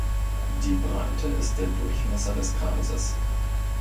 Die Breite ist der Durchmesser des Kreises.